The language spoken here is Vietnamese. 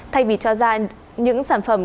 thay vì cho ra những sản phẩm